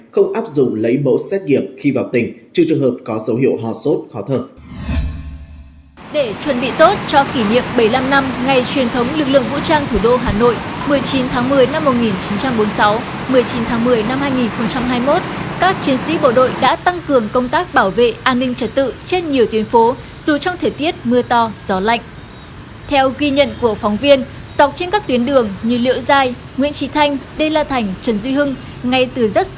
không áp dụng lấy mẫu xét nghiệm khi vào tỉnh chứ trường hợp có dấu hiệu hò sốt khó thật